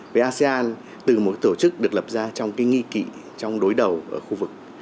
với asean từ một tổ chức được lập ra trong cái nghi kỵ trong đối đầu ở khu vực